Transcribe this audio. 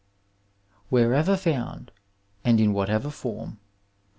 Wher ever found, and in whatever form.